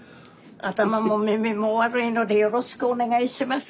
頭も耳も悪いのでよろしくお願いします。